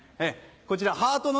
こちらハートの